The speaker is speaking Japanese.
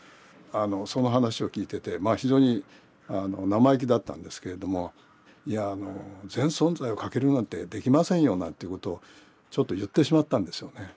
その話を聞いててまあ非常に生意気だったんですけれども「いや全存在をかけるなんてできませんよ」なんていうことをちょっと言ってしまったんですよね。